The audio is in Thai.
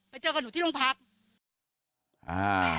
ไปเจอกับหนูที่โรงพัก